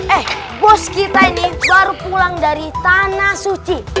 eh bos kita ini baru pulang dari tanah suci